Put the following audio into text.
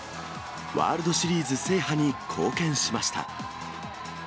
ワールドシリーズ制覇に貢献しました。